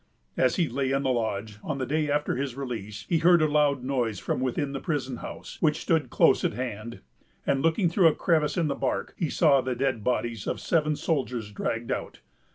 As he lay in the lodge, on the day after his release, he heard a loud noise from within the prison house, which stood close at hand, and, looking through a crevice in the bark, he saw the dead bodies of seven soldiers dragged out.